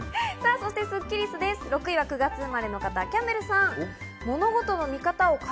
スッキりす、６位は９月生まれの方、キャンベルさん。